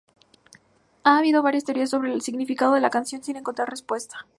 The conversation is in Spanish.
Ha habido varias teorías sobre el significado de la canción, sin encontrar respuestas.